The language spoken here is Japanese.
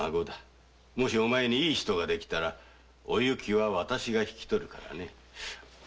もしお前にいい人が出来たらお雪は私が引き取るからね。